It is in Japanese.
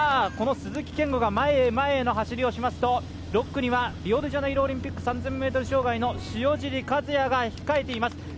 鈴木健吾が前へ前への走りをしますと６区にはリオデジャネイロオリンピック３０００ｍ障害の塩尻和也が控えています。